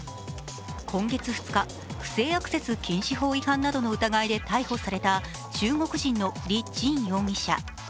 今月２日、不正アクセス禁止法違反などの疑いで逮捕された中国人の李チン容疑者。